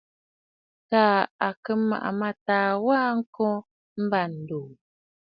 Taà à kɨ̀ màʼa mâtaà wa a kô m̀bândòò.